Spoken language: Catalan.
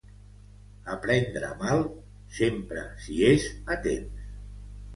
A prendre mal sempre s'hi és a temps.